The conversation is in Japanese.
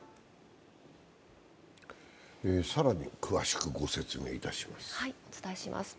更に詳しく御説明いたします。